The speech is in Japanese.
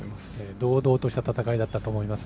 堂々とした戦いだったと思います。